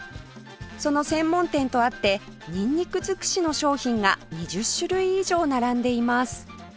その専門店とあってニンニクづくしの商品が２０種類以上並んでいます